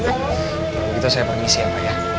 kalau gitu saya permisi ya pak ya